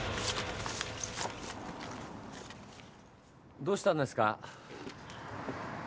・どうしたんですか？